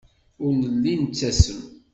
Ur nelli nettasem.